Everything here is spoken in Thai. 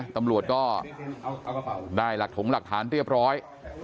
ตำรวจก็ได้หลักถงหลักฐานเรียบร้อย